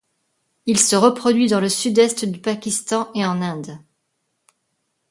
Il se reproduit dans le sud-est du Pakistan et en Inde.